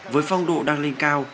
với phong độ đang lên cao